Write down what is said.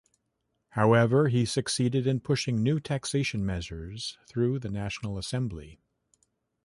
However, he succeeded in pushing new taxation measures through the National Assembly.